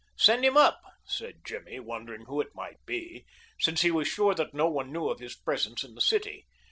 "Send him up," said Jimmy, wondering who it might be, since he was sure that no one knew of his presence in the city.